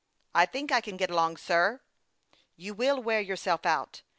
" I think I can get along, sir." " You will wear yourself out.